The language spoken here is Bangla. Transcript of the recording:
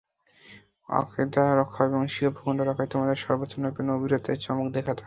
আকীদা রক্ষা এবং স্বীয় ভূখণ্ড রক্ষায় তোমাদেরই সর্বোচ্চ নৈপুণ্য ও বীরত্বের চমক দেখাতে হবে।